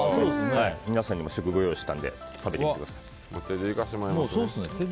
皆さんにも試食を用意したので食べてみてください。